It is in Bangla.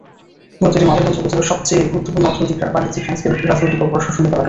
মূলত এটি মাদারগঞ্জ উপজেলার সবচেয়ে গুরুত্বপূর্ণ অর্থনৈতিক, বাণিজ্যিক, সাংস্কৃতিক, রাজনৈতিক ও প্রশাসনিক এলাকা।